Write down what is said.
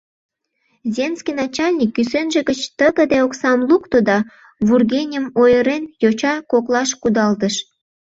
Земский начальник кӱсенже гыч тыгыде оксам лукто да, вӱргеньым ойырен, йоча коклаш кудалтыш.